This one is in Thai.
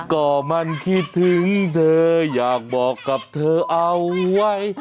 ก็มันคิดถึงเธออยากบอกกับเธอเอาไว้